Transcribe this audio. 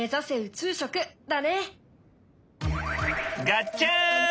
ガチャン！